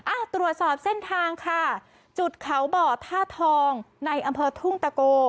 อ่ะตรวจสอบเส้นทางค่ะจุดเขาบ่อท่าทองในอำเภอทุ่งตะโก